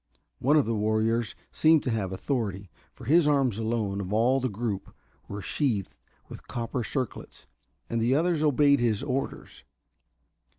One of the warriors seemed to have authority, for his arms alone of all the group were sheathed with copper circlets, and the others obeyed his orders.